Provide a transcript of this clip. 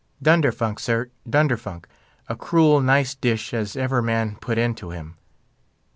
"Dunderfunk, sir, dunderfunk; a cruel nice dish as ever man put into him."